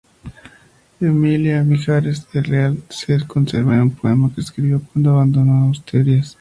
De Emilia Mijares del Real se conserva un poema que escribió cuando abandonó Asturias.